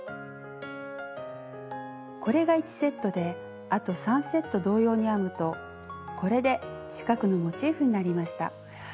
これが１セットであと３セット同様に編むとこれで四角のモチーフになりました。